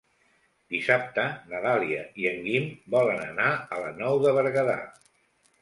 Dissabte na Dàlia i en Guim volen anar a la Nou de Berguedà.